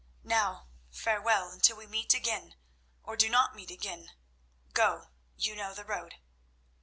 Now, farewell, until we meet again or—do not meet again. Go; you know the road."